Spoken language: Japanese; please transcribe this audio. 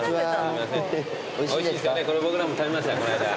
これ僕らも食べましたこの間。